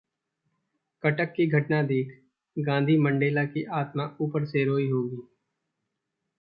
कटक की घटना देख गांधी-मंडेला की आत्मा ऊपर से रोई होगी